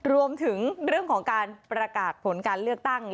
รวมถึงเรื่องของการประกาศผลการเลือกตั้ง